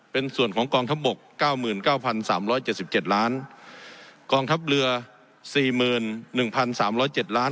เป็นส่วนของกองทัพบกเก้าหมื่นเก้าพันสามร้อยเจ็ดสิบเจ็ดล้านกองทัพเรือสี่หมื่นหนึ่งพันสามร้อยเจ็ดล้าน